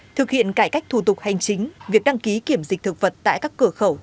thực hiện cải cách thủ tục hành chính việc đăng ký kiểm dịch thực vật tại các cửa khẩu